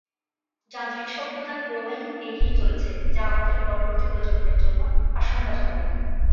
যান্ত্রিক সভ্যতা ক্রমেই এগিয়ে চলেছে যা আমাদের পরবর্তী প্রজন্মের জন্য আশঙ্কাজনক।